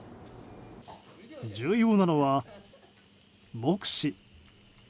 重要なのは、目視。